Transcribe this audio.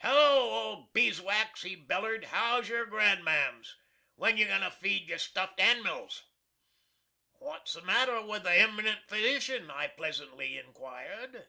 "Hello, old Beeswax," he bellered; "how's yer grandmams? When you goin' to feed your stuffed animils?" "What's the matter with the eminent physician?" I pleasantly inquired.